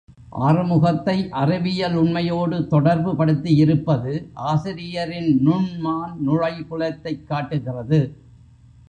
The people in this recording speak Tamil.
ஆறுமுகத்தை அறிவியல் உண்மையோடு தொடர்புபடுத்தியிருப்பது ஆசிரியரின் நுண்மான் நுழைபுலத்தைக் காட்டுகிறது.